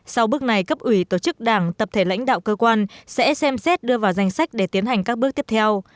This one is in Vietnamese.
sau bước này cấp ủy tổ chức đảng tập thể lãnh đạo cơ quan sẽ xem xét đưa vào danh sách để tiến hành các bước tiếp theo